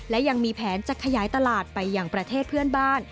และยังมีแผนจะขยายตลาดไปอย่างประเทศเพื่อนบ้าน